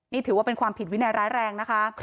นี่ถือว่าเป็นความผิดวินัยร้ายแรงนะคะ